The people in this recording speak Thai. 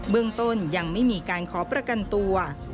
เรื่องต้นยังไม่มีการขอประกันตัว